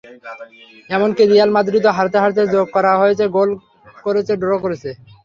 এমনকি রিয়াল মাদ্রিদও হারতে হারতে যোগ করা সময়ে গোল করে ড্র করেছে।